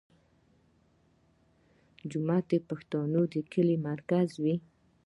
جومات د پښتنو د کلي مرکز وي.